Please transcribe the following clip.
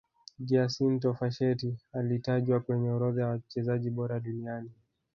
giacinto facchetti alitajwa kwenye orodha ya wachezaji bora duniani